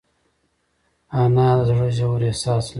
انا د زړه ژور احساس لري